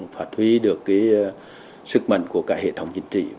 phát huy được sức mạnh của cả hệ thống chính trị